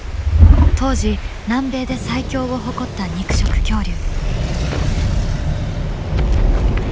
当時南米で最強を誇った肉食恐竜。